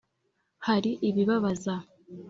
hari ibibabaza,